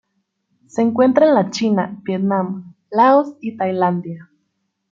Se encuentra en la China, Vietnam, Laos y Tailandia.